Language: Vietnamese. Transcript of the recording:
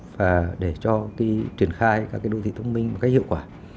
và để cho cái triển khai các cái đô thị thông minh một cách hiệu quả